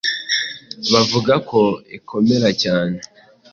bavuga ko ikomera cyane